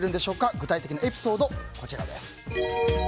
具体的なエピソード、こちらです。